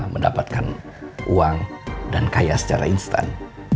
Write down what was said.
mendapatkan uang dan kaya secara instan